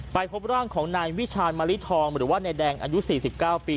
พบร่างของนายวิชาณมะลิทองหรือว่านายแดงอายุ๔๙ปี